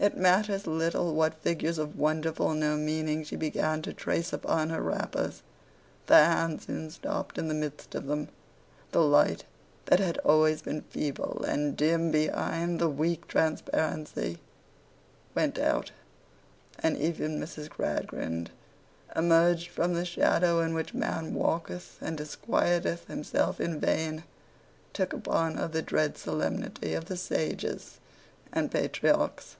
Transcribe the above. It matters little what figures of wonderful no meaning she began to trace upon her wrappers. The hand soon stopped in the midst of them; the light that had always been feeble and dim behind the weak transparency, went out; and even Mrs. Gradgrind, emerged from the shadow in which man walketh and disquieteth himself in vain, took upon her the dread solemnity of the sages and patriarchs.